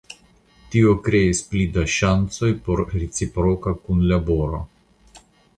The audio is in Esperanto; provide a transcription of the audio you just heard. Tio kreis pli da ŝancoj por reciproka kunlaboro.